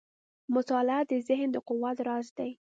• مطالعه د ذهن د قوت راز دی.